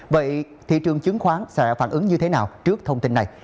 vậy thị trường chứng khoán sẽ phản ứng như thế nào trước thông tin này